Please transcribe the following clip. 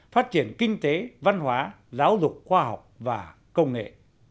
phát triển kinh tế văn hóa giáo dục khoa học và công nghệ